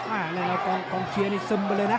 หลายกองเชียร์นี่ซึมไปเลยนะ